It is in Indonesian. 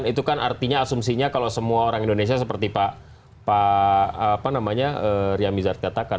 itu kan artinya asumsinya kalau semua orang indonesia seperti pak riyamizard katakan